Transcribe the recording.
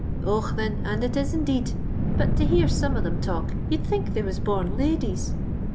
* Och, thin, and it is indeed ; but to hear some of them talk you'd think they was bom ladies.